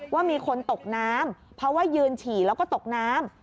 ว่ามีคนตกน้ำเพราะว่ายืนฉี่แล้วก็ตกน้ำ